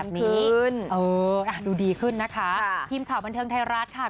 ให้เต็มขึ้นดูดีขึ้นนะคะทีมข่าวบันเทิงไทยรัฐค่ะ